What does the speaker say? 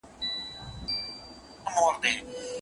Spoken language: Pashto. ملنګه ! په اخبار کښې يو خبر هم ﺯمونږ نشته